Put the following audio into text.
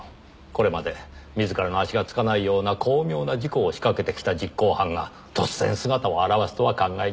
これまで自らの足がつかないような巧妙な事故を仕掛けてきた実行犯が突然姿を現わすとは考えにくい。